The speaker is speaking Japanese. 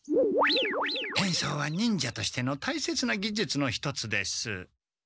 変装は忍者としての大切なぎじゅつの一つです。